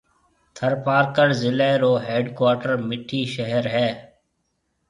ٿرپارڪر ضلعيَ رو ھيَََڊ ڪوارٽر مٺِي شھر ھيََََ